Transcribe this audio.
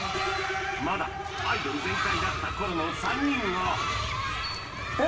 まだアイドル全開だった頃の３人が何？